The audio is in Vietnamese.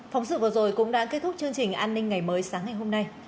phóng sự vừa rồi cũng đã kết thúc chương trình an ninh ngày mới sáng ngày hôm nay